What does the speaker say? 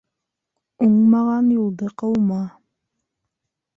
Уңмаған юлды ҡыума.